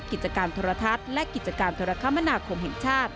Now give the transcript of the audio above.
กิจการธรรทัศน์และกิจการธรรมนาคมเห็นชาติ